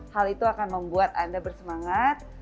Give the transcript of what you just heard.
hal itu akan membuat anda bersemangat